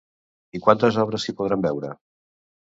I quantes obres s'hi podran veure?